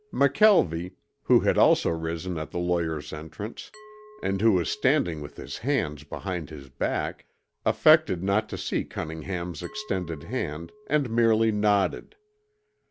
McKelvie, who had also risen at the lawyer's entrance, and who was standing with his hands behind his back, affected not to see Cunningham's extended hand and merely nodded.